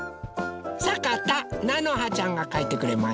さかたなのはちゃんがかいてくれました。